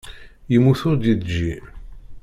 Yemmut ur d-yeǧǧi.